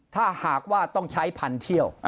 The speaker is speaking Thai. ถ้าหากว่าต้องใช้พันเที่ยว